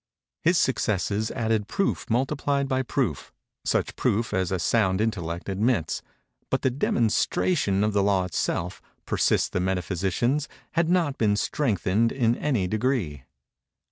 His successes added proof multiplied by proof—such proof as a sound intellect admits—but the demonstration of the law itself, persist the metaphysicians, had not been strengthened in any degree.